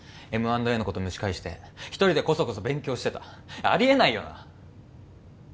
Ｍ＆Ａのこと蒸し返して一人でコソコソ勉強してたありえないよな